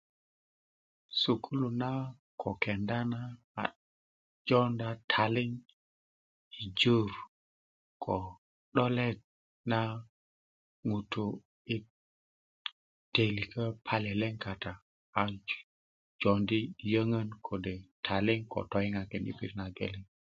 sukulu na ko kenda na a jonda taliŋ i jur ko 'dolet na ŋutu i teiliko paleleŋ kata a jondi liyöŋön ko taliŋ ko toyiŋakin i pirit na geleŋ